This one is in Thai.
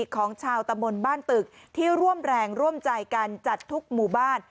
ของชาวตะมนต์บ้านตึกที่ร่วมแรงร่วมใจกันจัดทุกหมู่บ้าน